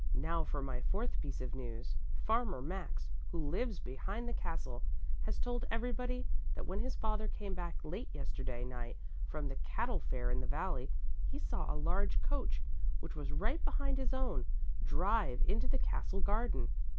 Now for my fourth piece of news. Farmer Max who lives behind the castle has told everybody that when his father came back late yesterday night from the cattle fair in the valley, he saw a large coach, which was right behind his own, drive into the castle garden.